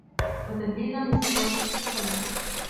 وَتَذْلِيلًا لِسَطْوَةِ الِاسْتِعْلَاءِ